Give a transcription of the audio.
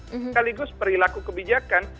sekaligus perilaku kebijakan